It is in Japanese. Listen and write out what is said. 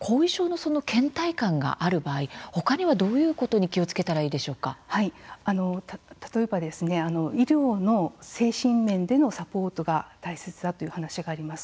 後遺症のけん怠感がある場合、ほかにはどういうことに例えば医療の精神面でもサポートが大切だという話があります。